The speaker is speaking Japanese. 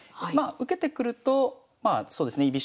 まあ受けてくるとまあそうですね